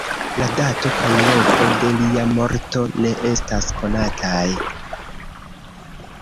La dato kaj loko de lia morto ne estas konataj.